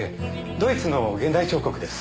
ドイツの現代彫刻です。